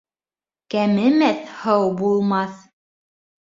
Кәмемәҫ һыу булмаҫ.